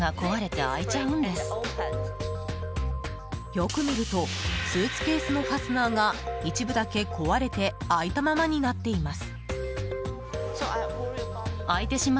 よく見るとスーツケースのファスナーが一部だけ壊れて開いたままになっています。